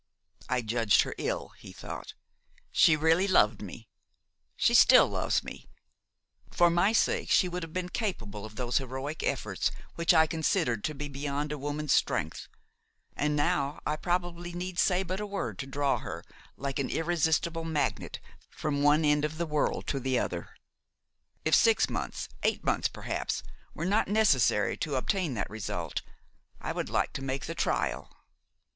"I judged her ill," he thought; "she really loved me, she still loves me; for my sake she would have been capable of those heroic efforts which I considered to be beyond a woman's strength; and now I probably need say but a word to draw her, like an irresistible magnet, from one end of the world to the other. If six months, eight months, perhaps, were not necessary to obtain that result, I would like to make the trial!"